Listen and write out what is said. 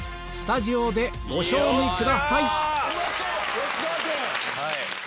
吉沢君。